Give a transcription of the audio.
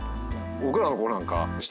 僕らのころなんか。